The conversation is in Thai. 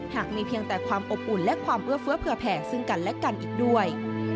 หากมีเพียงแต่ความอบอุ่นและความเอื้อเฟื้อเผื่อแผ่ซึ่งกันและกันอีกด้วย